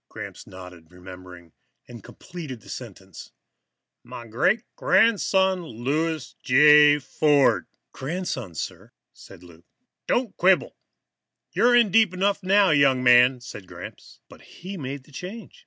Gramps nodded, remembering, and completed the sentence "my great grandson, Louis J. Ford." "Grandson, sir," said Lou. "Don't quibble. You're in deep enough now, young man," said Gramps, but he made the change.